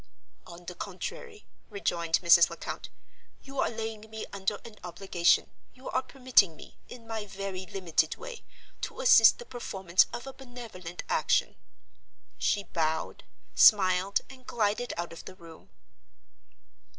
"On the contrary," rejoined Mrs. Lecount, "you are laying me under an obligation—you are permitting me, in my very limited way, to assist the performance of a benevolent action." She bowed, smiled, and glided out of the room.